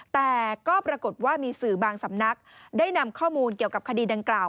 แต่ก็ปรากฏว่ามีสื่อบางสำนักได้นำข้อมูลเกี่ยวกับคดีดังกล่าว